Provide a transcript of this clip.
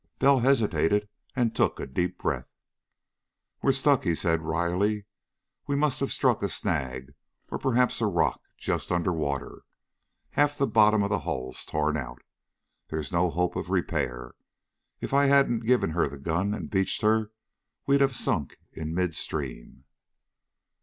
Bell hesitated, and took a deep breath. "We're stuck," he said wryly. "We must have struck a snag or perhaps a rock, just under water. Half the bottom of the hull's torn out. There's no hope of repair. If I hadn't given her the gun and beached her, we'd have sunk in mid stream."